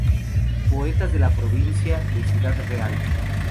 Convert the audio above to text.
Poetas de la provincia de Ciudad Real.